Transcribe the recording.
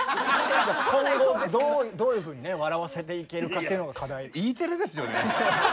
今後どういうふうに笑わせていけるかっていうのが課題。